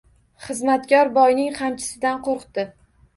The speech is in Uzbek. Xizmatkor boyning qamchisidan qorqdi.